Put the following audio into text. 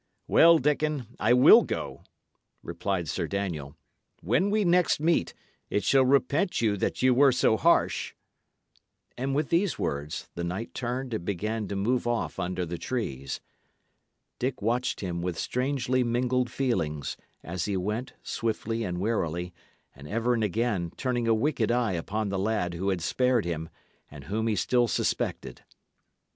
"Well, Dickon, I will go," replied Sir Daniel. "When we next meet, it shall repent you that ye were so harsh." And with these words, the knight turned and began to move off under the trees. Dick watched him with strangely mingled feelings, as he went, swiftly and warily, and ever and again turning a wicked eye upon the lad who had spared him, and whom he still suspected.